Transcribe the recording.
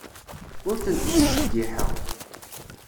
Ur tent-ttjeyyiḥeɣ.